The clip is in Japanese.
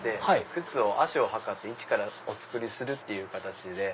靴を足を測ってイチからお作りするっていう形。